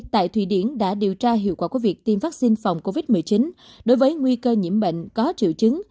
tại thụy điển đã điều tra hiệu quả của việc tiêm vaccine phòng covid một mươi chín đối với nguy cơ nhiễm bệnh có triệu chứng